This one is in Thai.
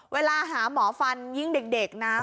เวลาหาหมอฟันยิ่งเด็กนะ